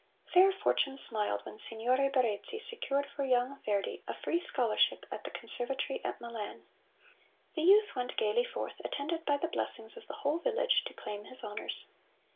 Fair fortune smiled when Signore Barezzi secured for young Verdi a free scholarship at the Conservatory at Milan. The youth went gaily forth, attended by the blessings of the whole village, to claim his honors.